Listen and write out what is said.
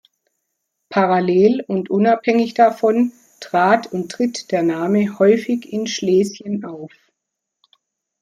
Parallel und unabhängig davon trat und tritt der Name häufig in Schlesien auf.